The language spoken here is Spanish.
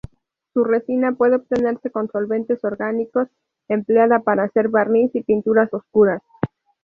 Su resina puede obtenerse con solventes orgánicos, empleada para hacer barniz y pinturas oscuras.